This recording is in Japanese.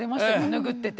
拭ってて。